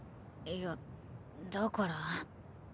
いやだから。